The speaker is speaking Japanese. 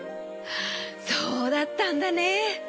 そうだったんだね。